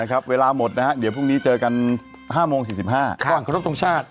นะครับเวลาหมดนะครับเดี๋ยวพรุ่งนี้เจอกัน๕โมง๔๕นค่ะขอขอบคุณทรงชาติ